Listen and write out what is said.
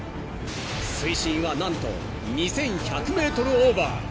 ［水深はなんと２，１００ｍオーバー］